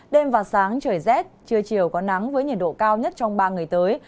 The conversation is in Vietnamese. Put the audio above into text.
đêm và sáng trời rét trưa chiều có nắng với nhiệt độ cao nhất trong ba ngày tới